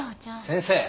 先生。